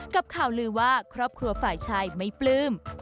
กับข่าวลือว่าครอบครัวฝ่ายชายไม่ปลื้ม